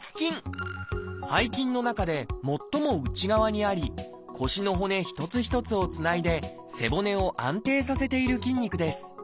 背筋の中で最も内側にあり腰の骨一つ一つをつないで背骨を安定させている筋肉です。